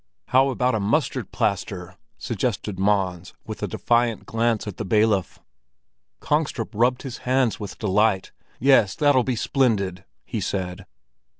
"How about a mustard plaster?" suggested Mons, with a defiant glance at the bailiff. Kongstrup rubbed his hands with delight. "Yes, that'll be splendid!" he said.